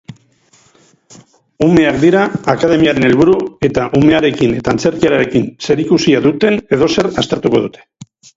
Umeak dira akademiaren helburu eta umearekin eta antzerkiarekin zerikusia duen edozer aztertuko dute.